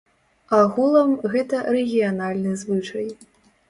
Агулам, гэта рэгіянальны звычай.